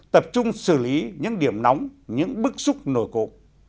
tập trung xử lý những điểm nóng những bức xúc nổi cộ